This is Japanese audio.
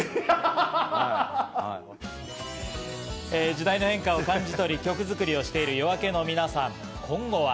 時代の変化を感じ取り、曲作りをしているＹＯＡＫＥの皆さん、今度は。